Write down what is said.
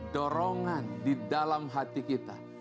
dorongan di dalam hati kita